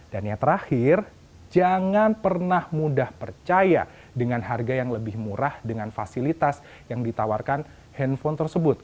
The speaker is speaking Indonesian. dan yang terakhir jangan pernah mudah percaya dengan harga yang lebih murah dengan fasilitas yang ditawarkan handphone tersebut